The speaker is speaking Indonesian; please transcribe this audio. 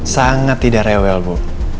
sangat tidak rewel bu